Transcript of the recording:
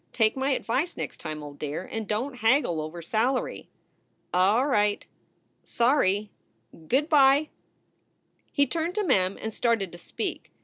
Take my advice next time, old dear, and don t haggle over salary. ... All right. Sorry. Good by!" He turned to Mem and started to speak.